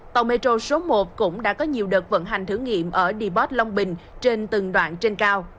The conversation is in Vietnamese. tàu metro số một cũng đã có nhiều đợt vận hành thử nghiệm ở deport long bình trên từng đoạn trên cao